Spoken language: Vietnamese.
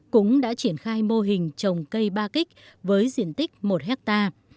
cũng đã triển khai mô hình trồng cây ba kích với diện tích một hectare